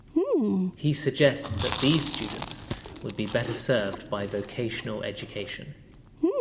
He suggests that these students would be better served by vocational education.